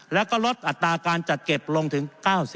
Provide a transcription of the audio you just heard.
แล้วก็ลดอัตราการจัดเก็บลงถึง๙๐